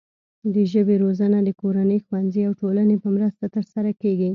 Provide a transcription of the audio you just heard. د ژبې روزنه د کورنۍ، ښوونځي او ټولنې په مرسته ترسره کیږي.